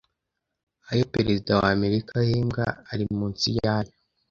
ayo Perezida w’Amerika ahembwa ari munsi y’aya